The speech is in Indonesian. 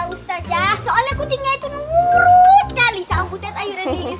ustazah soalnya kucingnya itu nurut ya lisa amputet ayo dan diges ya kan